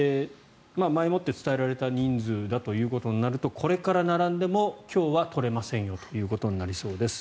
前もって伝えられた人数だということになるとこれから並んでも今日は取れませんよということになりそうです。